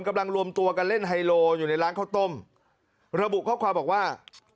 รวมตัวกันเล่นไฮโลอยู่ในร้านข้าวต้มระบุข้อความบอกว่า